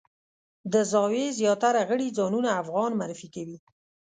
د زاویې زیاتره غړي ځانونه افغانان معرفي کوي.